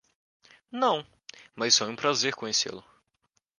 Não, mas foi um prazer conhecê-lo.